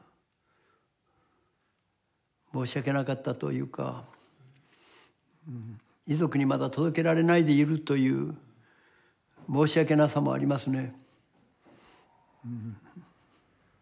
申し訳なかったというか遺族にまだ届けられないでいるという申し訳なさもありますね。